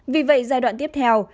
vì vậy giai đoạn tiếp theo